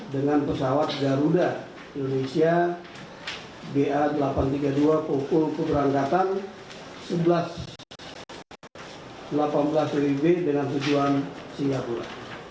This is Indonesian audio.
dengan pesawat garuda indonesia ba delapan ratus tiga puluh dua pukul keberangkatan sebelas delapan belas wib dengan tujuan singapura